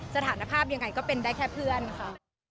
สถานภาพยังไงก็เป็นได้แค่เพื่อนค่ะ